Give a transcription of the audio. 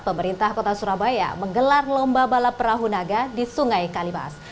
pemerintah kota surabaya menggelar lomba balap perahu naga di sungai kalibas